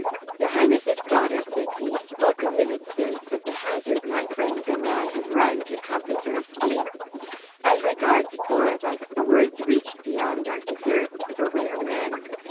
"Your Highness's daughter," said he, "spoke a minute since of the hazards my friends and I have run to compass her escape. As regards four of us, the words reached beyond our deserts. For we are men.